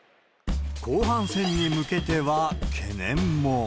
後半戦に向けては懸念も。